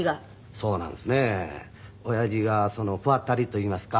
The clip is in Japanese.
そうなんです。